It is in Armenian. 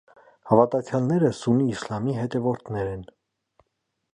Հավատացյալները սուննի իսլամի հետևորդներ են։